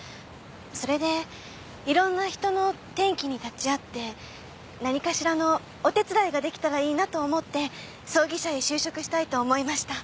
それでいろんな人の転機に立ち会って何かしらのお手伝いができたらいいなと思って葬儀社へ就職したいと思いました。